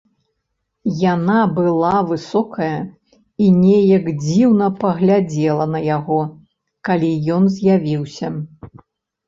Яна была высокая і нейк дзіўна паглядзела на яго, калі ён з'явіўся.